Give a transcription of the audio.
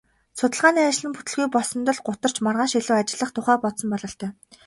Судалгааны ажил нь бүтэлгүй болсонд л гутарч маргааш илүү ажиллах тухай бодсон бололтой.